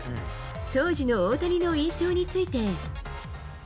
当時の大谷の印象について。